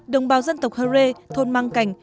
đồng bào dân tộc hơ rê thôn mang cảnh